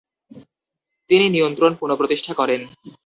তিনি নিয়ন্ত্রণ পুনপ্রতিষ্ঠা করেন।